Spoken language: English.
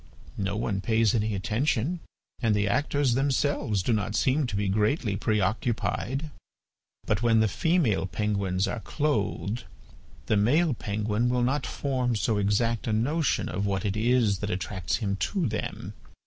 No one pays any attention and the actors themselves do not seem to be greatly preoccupied. But when the female penguins are clothed, the male penguin will not form so exact a notion of what it is that attracts him to them.